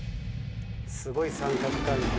すごい三角関係。